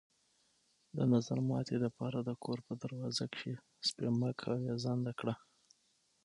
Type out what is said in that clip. د نظرماتي د پاره د كور په دروازه کښې څپياكه اوېزانده کړه۔